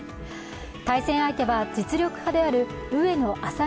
対戦相手は実力派である上野愛咲美